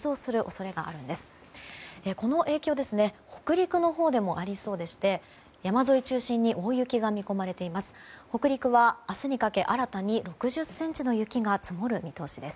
北陸のほうでもありそうでして山沿い中心に大雪が見込まれています。